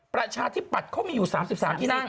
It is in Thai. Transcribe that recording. ประชาธิปัตย์เขามีอยู่๓๓ที่นั่ง